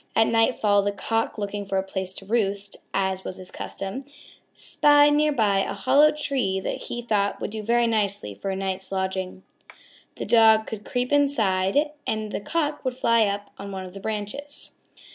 At nightfall the Cock, looking for a place to roost, as was his custom, spied nearby a hollow tree that he thought would do very nicely for a night's lodging. The Dog could creep inside and the Cock would fly up on one of the branches.